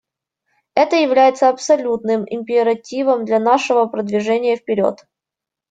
Это является абсолютным императивом для нашего продвижения вперед.